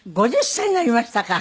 ５０歳になりましたか。